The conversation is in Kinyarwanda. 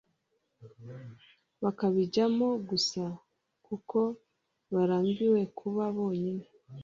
bakabijyamo gusa kuko barambiwe kuba bonyine